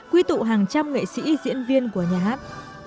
quy tụ hàng trăm nghệ sĩ diễn viên của nhà hát